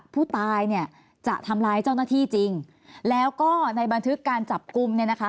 ผู้ตายเนี่ยจะทำร้ายเจ้าหน้าที่จริงแล้วก็ในบันทึกการจับกลุ่มเนี่ยนะคะ